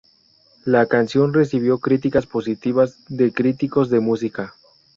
La canción recibió críticas positivas de críticos de música.